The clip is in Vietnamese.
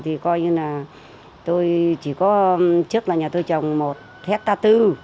thì coi như là tôi chỉ có trước là nhà tôi trồng một hectare tư